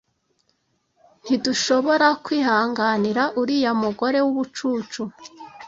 Ntidushoborakwihanganira uriya mugore wubucucu.